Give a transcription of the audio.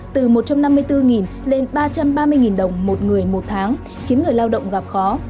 từ một trăm năm mươi bốn lên ba trăm ba mươi đồng một người một tháng khiến người lao động gặp khó